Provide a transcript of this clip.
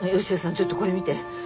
ちょっとこれ見て。